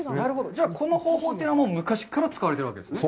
じゃあ、この方法というのは昔から使われてるわけですね。